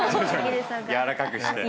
やわらかくして。